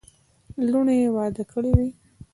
لوڼي یې واده کړې وې.